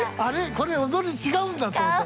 これ踊り違うんだと思った。